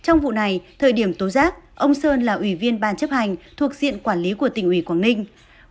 trong vụ này thời điểm tố giác ông sơn là ủy viên ban chấp hành thuộc diện quản lý của tỉnh ủy quảng ninh